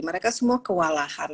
mereka semua kewalahan